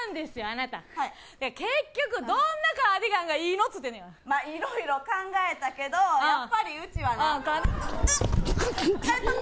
あなた「結局どんなカーディガンがいいの？」っつってんのやまあ色々考えたけどやっぱりうちはなうっえっと